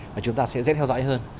và chúng ta sẽ rất theo dõi hơn